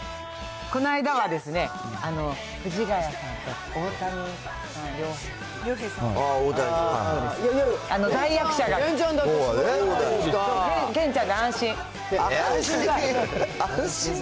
この間はですね、藤ヶ谷さんと大谷りょうへいさん。